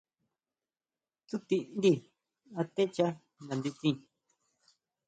Tsutindí atecha ngandetsin.